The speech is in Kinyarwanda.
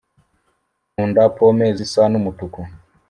nkunda pome zisa n’umutuku.